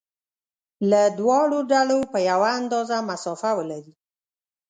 له دواړو ډلو په یوه اندازه مسافه ولري.